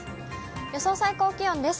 予想最高気温です。